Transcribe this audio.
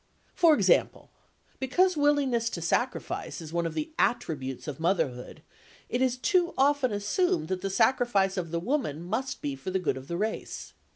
For example. Because willingness to sacrifice is one of the attributes of motherhood, it is too often assumed that the sacrifice of the woman must be for the good of the race.